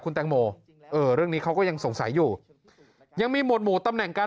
คุณแตงโมเออเรื่องนี้เขาก็ยังสงสัยอยู่ยังมีหวดหมู่ตำแหน่งการ